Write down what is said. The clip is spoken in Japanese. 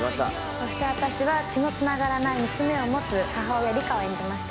そして私は血のつながらない娘を持つ母親梨花を演じました。